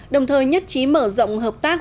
đồng thời nhất trí mở rộng hợp tác